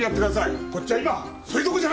こっちは今それどこじゃないんだよ！